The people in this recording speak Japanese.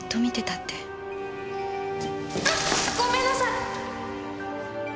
あっごめんなさい！